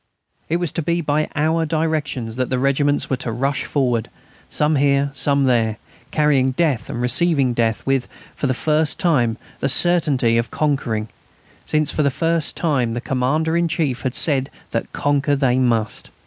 It was to be by our directions that the regiments were to rush forward, some here, some there, carrying death and receiving death with, for the first time, the certainty of conquering; since for the first time the Commander in Chief had said that conquer they must.